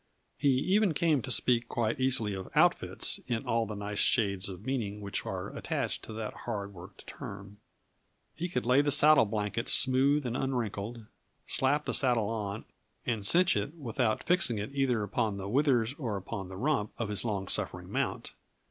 He even came to speak quite easily of "outfits" in all the nice shades of meaning which are attached to that hard worked term. He could lay the saddle blanket smooth and unwrinkled, slap the saddle on and cinch it without fixing it either upon the withers or upon the rump of his long suffering mount.